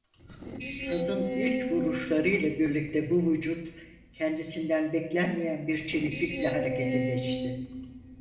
Sazın ilk vuruşlarıyla birlikte bu vücut, kendisinden beklenmeyen bir çeviklikle harekete geçti.